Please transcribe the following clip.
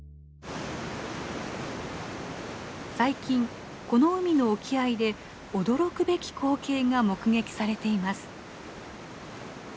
最近この海の沖合で驚くべき光景が目撃されています。